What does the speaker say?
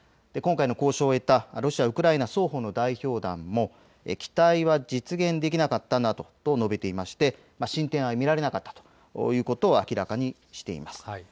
今回の交渉を終えたロシア、ウクライナ双方の代表団も期待は実現できなかったなどと述べていまして進展は見られなかったということは明らかにしています。